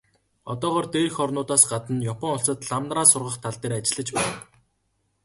Одоогоор дээрх орнуудаас гадна Япон улсад лам нараа сургах тал дээр ажиллаж байна.